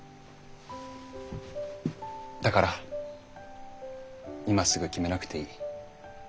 だから今すぐ決めなくていい。